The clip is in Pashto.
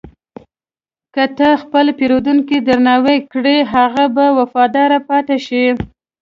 که ته خپل پیرودونکی درناوی کړې، هغه به وفادار پاتې شي.